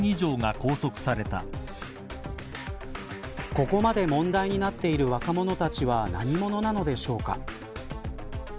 ここまで問題になっている若者たちは何者なのでしょうか。